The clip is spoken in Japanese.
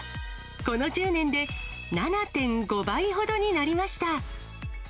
この１０年で７．５倍ほどになりました。